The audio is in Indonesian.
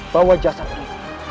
bawa jasad itu